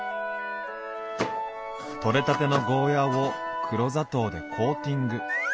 取れたてのゴーヤーを黒砂糖でコーティング。